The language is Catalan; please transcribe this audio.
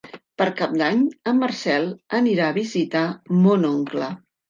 Per Cap d'Any en Marcel anirà a visitar mon oncle.